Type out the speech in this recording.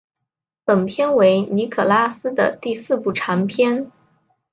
本片为尼可拉斯的第四部长片。